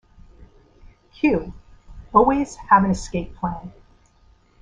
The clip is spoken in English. "Q: "Always have an escape plan.